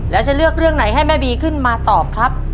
แล้วจะเลือกเรื่องไหนให้แม่บีขึ้นมาตอบครับ